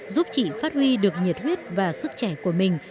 giúp chị phát huy được nhiệt huyết và sức trẻ của mình